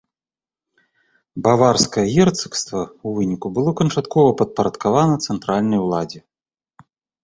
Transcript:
Баварскае герцагства ў выніку было канчаткова падпарадкавана цэнтральнай уладзе.